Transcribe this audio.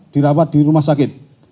dirawat di rumah sakit